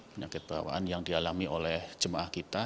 penyakit bawaan yang dialami oleh jemaah kita